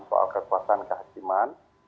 soal kekuasaan kehakiman